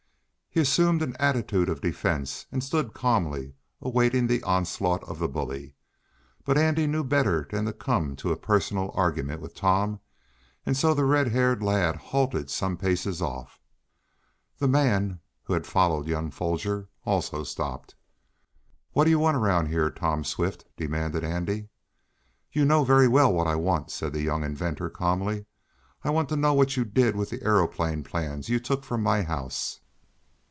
He assumed an attitude of defense, and stood calmly awaiting the onslaught of the bully; but Andy knew better than to come to a personal argument with Tom, and so the red haired lad halted some paces off. The man, who had followed young Foger, also stopped. "What do you want around here, Tom Swift?" demanded Andy. "You know very well what I want," said the young inventor, calmly. "I want to know what you did with the aeroplane plans you took from my house."